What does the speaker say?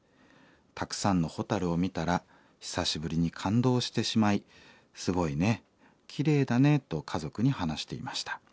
たくさんのホタルを見たら久しぶりに感動してしまいすごいねきれいだねと家族に話していました。